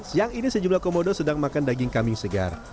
siang ini sejumlah komodo sedang makan daging kambing segar